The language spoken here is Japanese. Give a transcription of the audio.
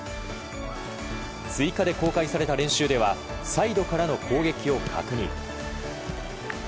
追加で公開された練習にはサイドからの攻撃を確認。